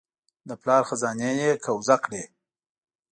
د پلار خزانې یې قبضه کړې.